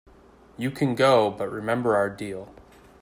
You can go, but remember our deal.